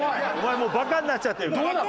もうバカになっちゃってるから。